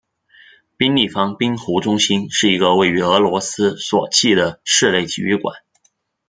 冰立方冰壶中心是一个位于俄罗斯索契的室内体育馆。